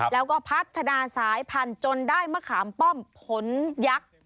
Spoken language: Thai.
แล้วก็พัฒนาสายพันธุ์จนได้มะขามป้อมผลยักษ์